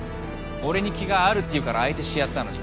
俺に気があるっていうから相手してやったのに。